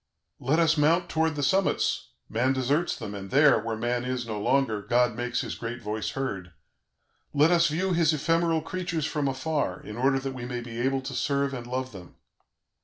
"Let us mount towards the summits; man deserts them, and there, where man is no longer, God makes His great voice heard; let us view His ephemeral creatures from afar, in order that we may be able to serve and love them.